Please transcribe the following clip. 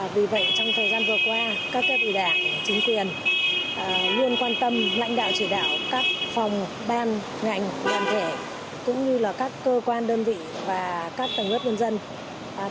vì vậy trong thời gian vừa qua các kết ủy đảng chính quyền nguyên quan tâm lãnh đạo chỉ đạo các phòng ban ngành đoàn thể cũng như là các cơ quan đơn vị và các tầng hướng dân dân